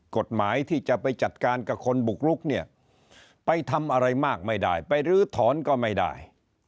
กฎหมายที่จะไปจัดการกับคนบุกลุกเนี่ยไปทำอะไรมากไม่ได้ไปลื้อถอนก็ไม่ได้